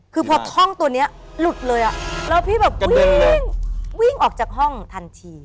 คือพอท่องตัวนี้หลุดเลยอ่ะแล้วพี่แบบวิ่งวิ่งออกจากห้องทันที